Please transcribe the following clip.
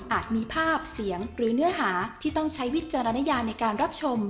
มีภาพเสียงหรือเนื้อหาที่ต้องใช้วิจารณญาในการรับชม